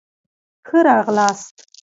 ښه راغلاست.